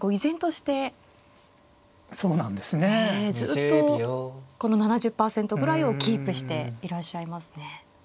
ずっとこの７０％ぐらいをキープしていらっしゃいますね。